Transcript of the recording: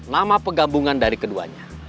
nama pegabungan dari keduanya